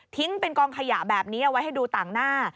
เป็นกองขยะแบบนี้เอาไว้ให้ดูต่างหน้า